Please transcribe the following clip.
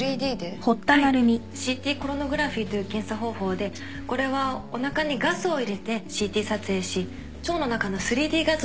はいＣＴコロノグラフィという検査方法でこれはおなかにガスを入れてＣＴ撮影し腸の中の３Ｄ画像を作成します。